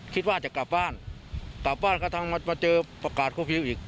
คิดว่าจะกลับบ้านกลับบ้านเขามาเจอประกาศโควิด๑๙อีก